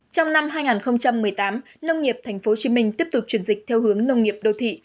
trong năm hai nghìn một mươi tám nông nghiệp thành phố hồ chí minh tiếp tục chuyển dịch theo hướng nông nghiệp đô thị